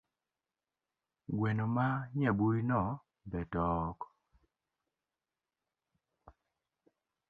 Gweno ma nyaburino betook?